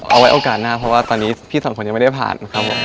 เอาไว้โอกาสหน้าเพราะว่าตอนนี้พี่สองคนยังไม่ได้ผ่านครับผม